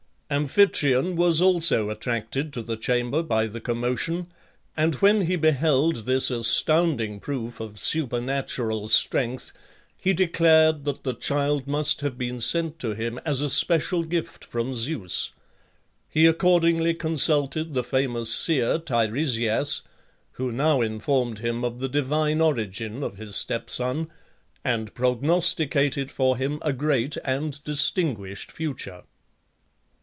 Amphitryon was also attracted to the chamber by the commotion, and when he beheld this astounding proof of supernatural strength, he declared that the child must have been sent to him as a special gift from Zeus. He accordingly consulted the famous seer Tiresias, who now informed him of the divine origin of his stepson, and prognosticated for him a great and distinguished future.